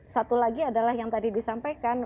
satu lagi adalah yang tadi disampaikan